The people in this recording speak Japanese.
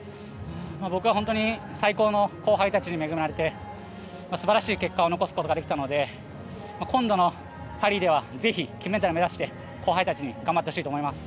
僕は最高の後輩たちに恵まれて素晴らしい結果を残すことができたので今度のパリではぜひ金メダル目指して後輩たちに頑張ってほしいと思います。